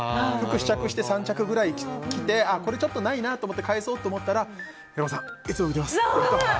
試着して、３着ぐらい着てこれ、ないなと思って返そうと思ったら平子さん、いつも見てますとか。